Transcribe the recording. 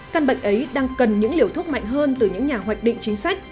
căn bệnh ấy đang cần những liều thuốc mạnh hơn từ những nhà hoạch định chính sách